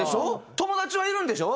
友達はいるんでしょ？